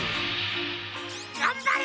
がんばれ！